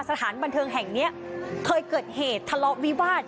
สถานบันเทิงแห่งนี้เคยเกิดเหตุทะเลาะวิวาส